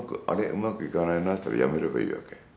うまくいかないなっつったらやめればいいわけ。